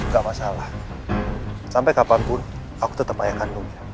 gak masalah sampai kapanpun aku tetap ayah kandungnya